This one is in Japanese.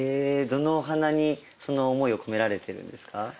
どのお花にその思いを込められてるんですか？